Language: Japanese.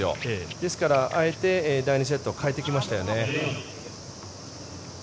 ですから、あえて第２セットは変えてきましたよね。